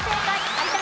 有田